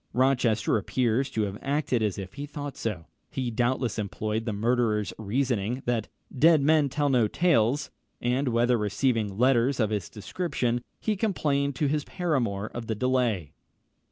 Rochester appears to have acted as if he thought so. He doubtless employed the murderer's reasoning, that "dead men tell no tales," when, after receiving letters of this description, he complained to his paramour of the delay.